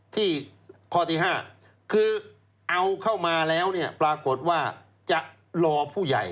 ข้อที่๕คือเอาเข้ามาแล้วเนี่ยปรากฏว่าจะรอผู้ใหญ่